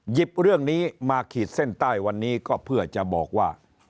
เรื่องนี้มาขีดเส้นใต้วันนี้ก็เพื่อจะบอกว่า